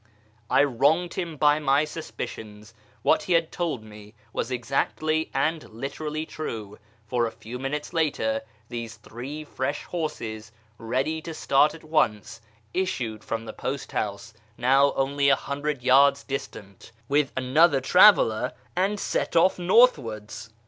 I wronged him by my suspicions ; what he had told me was exactly and literally true, for, a few minutes later, these " three fresh horses, ready to start at once," issued from the post house (now only a hundred yards distant) with another traveller, and set off northwards